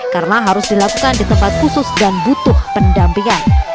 karena harus dilakukan di tempat khusus dan butuh pendampingan